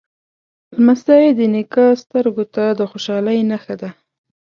لمسی د نیکه سترګو ته د خوشحالۍ نښه ده.